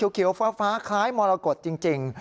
เขียวฟ้าคล้ายมรกฏจริง